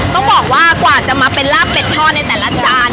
ต้องบอกว่ากว่าจะมาเป็นลาบเป็ดทอดในแต่ละจาน